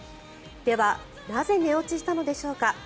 では、なぜ寝落ちしたのでしょうか。